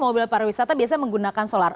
mobil pariwisata biasanya menggunakan solar